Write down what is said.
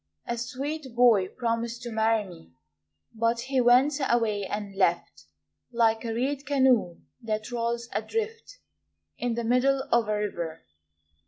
A sweet boy promised to marry me, But he went away and left Like a reed canoe that rolls adrift In the middle of a river.